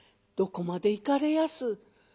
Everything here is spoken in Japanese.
「どこまで行かれやす？」。